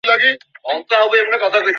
পারসী ও ইরানীদের মধ্যে অগ্নিপূজা খুব প্রচলিত।